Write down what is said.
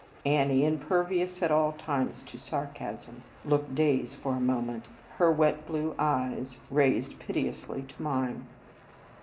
Annie, impervious at all times to sarcasm, looked dazed for a moment, her wet blue eyes raised piteously to mine.